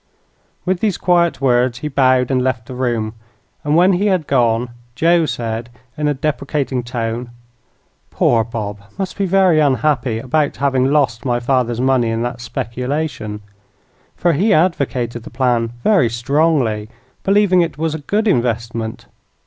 With these quiet words, he bowed and left the room, and when he had gone, Joe said, in a deprecating tone: "Poor Bob must be very unhappy about having lost my father's money in that speculation, for he advocated the plan very strongly, believing it was a good investment.